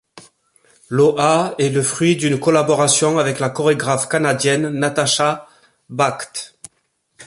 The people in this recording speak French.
Loha est le fruit d'une collaboration avec la chorégraphe canadienne Natasha Bakht.